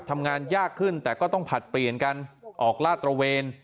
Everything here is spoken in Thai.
ทำงานยากขึ้นแต่ก็ต้องผลัดเปลี่ยนกันออกลาดตระเวน